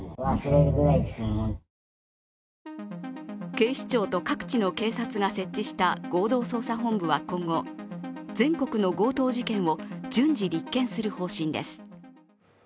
警視庁と各地の警察が設置した合同捜査本部は今後全国の強盗事件を順次立件する方針です。